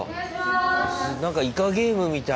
なんかイカゲームみたい。